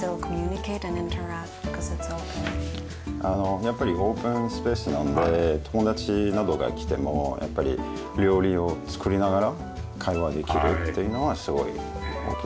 やっぱりオープンスペースなので友達などが来てもやっぱり料理を作りながら会話できるっていうのはすごい大きな。